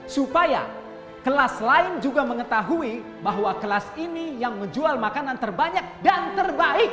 supaya kelas lain juga mengetahui bahwa kelas ini yang menjual makanan terbanyak dan terbaik